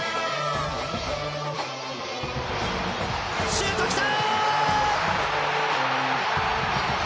シュート、きた！